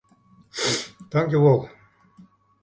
Tankjewol.